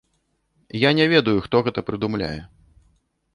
Я не ведаю, хто гэта прыдумляе.